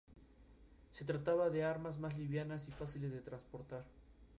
Se trataba de armas más livianas y fáciles de transportar.